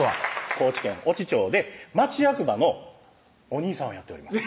高知県・越知町で町役場のお兄さんをやっております